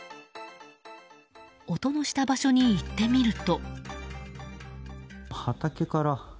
音のした場所に行ってみると。